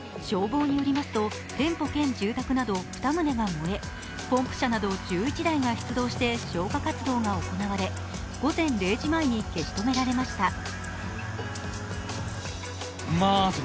消防によりますと、店舗兼住宅など２棟が燃え、ポンプ車など１１台が出動して消火活動が行われ午前０時前に消し止められました。